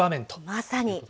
まさに。